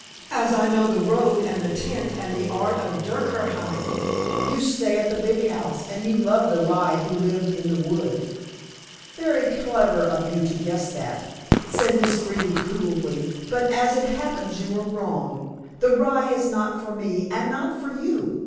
"As I know the road and the tent and the art of dukkerhin. You stay at the big house, and you love the rye who lived in the wood." "Very clever of you to guess that," said Miss Greeby coolly, "but as it happens, you are wrong. The rye is not for me and not for you.